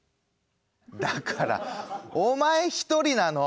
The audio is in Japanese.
だからお前一人なの。